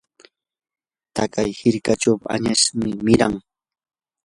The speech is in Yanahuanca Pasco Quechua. taqay hirkachaw añasmi miran.